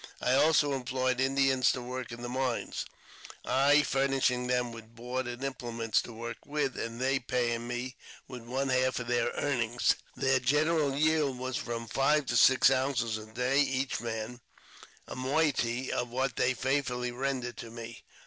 I also employed Indians to work in the mines, I furnishing them with board and implements to work with, and they paying me with one half of their earnings. Their general yield was from five to six ounces a day each man, a moiety of which they faithfully rendered to me.